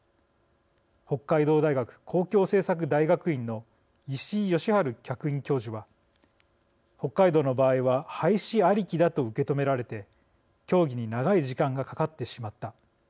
北海道大学公共政策大学院の石井吉春客員教授は「北海道の場合は廃止ありきだと受け止められて協議に長い時間がかかってしまった。